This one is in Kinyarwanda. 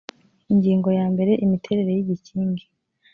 ingingo ya mbere imiterere y igikingi